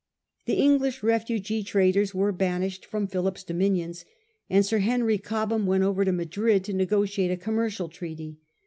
The English refugee traitors were banished from Philip's dominions ; and Sir Henry Cobham went over to Madrid to negotiate a commercial treaty.